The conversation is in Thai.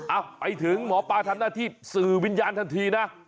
อ่ะไปถึงหมอปลาทำหน้าที่สื่อวิญญาณทันทีนะ